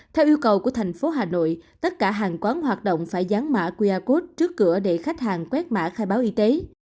theo yêu cầu của tp hà nội tất cả hàng quán hoạt động phải gián mạ qr code trước cửa để khách hàng quét mạ khai báo y tế